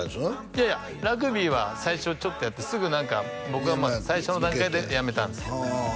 いやいやラグビーは最初ちょっとやってすぐ僕は最初の段階でやめたんですけどね